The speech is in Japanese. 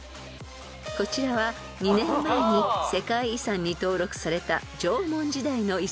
［こちらは２年前に世界遺産に登録された縄文時代の遺跡です］